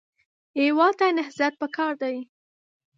هېواد ته نهضت پکار دی